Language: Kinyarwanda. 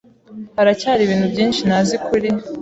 Haracyari ibintu byinshi ntazi kuri .